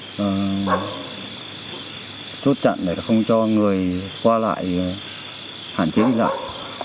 thứ ba là chốt chặn để không cho người qua lại hạn chế đi dạng